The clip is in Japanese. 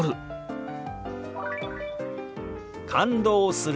「感動する」。